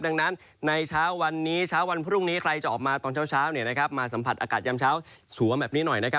ดังนั้นในเช้าวันนี้เช้าวันพรุ่งนี้ใครจะออกมาตอนเช้ามาสัมผัสอากาศยามเช้าสวมแบบนี้หน่อย